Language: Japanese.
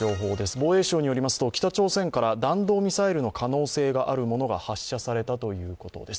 防衛省によりますと、北朝鮮から弾道ミサイルの可能性があるものが発射されたということです。